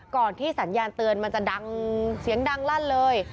ที่สัญญาณเตือนมันจะดังเสียงดังลั่นเลย